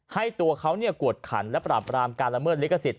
ให้ตัวเขากวดขันและปราบรามการละเมิดลิขสิท